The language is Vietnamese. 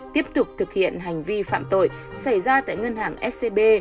tiếp tục thực hiện hành vi phạm tội xảy ra tại ngân hàng scb